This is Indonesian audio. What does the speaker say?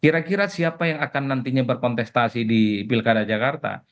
kira kira siapa yang akan nantinya berkontestasi di pilkada jakarta